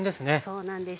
そうなんです。